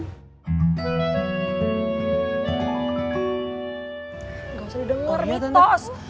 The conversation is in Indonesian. gak usah denger mitos